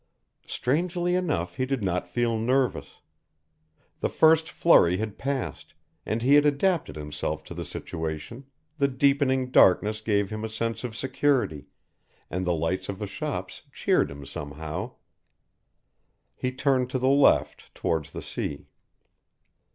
Strangely enough he did not feel nervous. The first flurry had passed, and he had adapted himself to the situation, the deepening darkness gave him a sense of security, and the lights of the shops cheered him somehow. He turned to the left towards the sea.